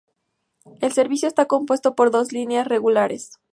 El servicio está compuesto por dos líneas regulares.